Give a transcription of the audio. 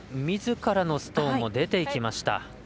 みずからのストーンも出ていきました。